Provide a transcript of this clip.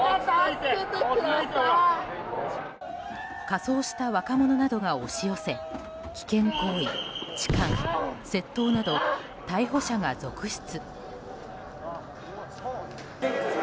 仮装した若者などが押し寄せ危険行為、痴漢、窃盗など逮捕者が続出。